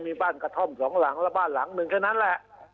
มีบ้านกระท่อม๒หลังแล้วบ้านหลัง๑แค่นั้นแหละ